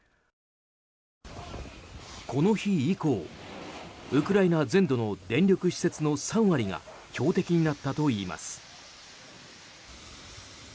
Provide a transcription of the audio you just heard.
この日以降、ウクライナ全土の電力施設の３割が標的になったといいます。